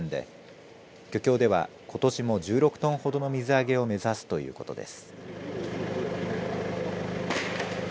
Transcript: およそ１万１０００円で漁協ではことしも１６トンほどの水揚げを目指すということです。